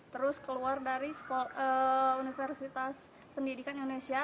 terus keluar dari universitas pendidikan indonesia